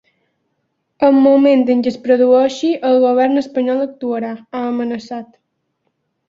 En moment en què es produeixi, el govern espanyol actuarà, ha amenaçat.